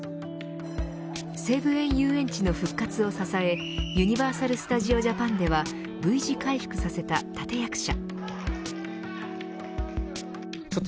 西武園ゆうえんちの復活を支えユニバーサル・スタジオ・ジャパンではＶ字回復させた立役者。